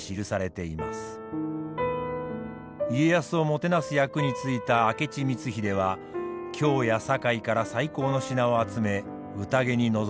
家康をもてなす役についた明智光秀は京や堺から最高の品を集め宴に臨みました。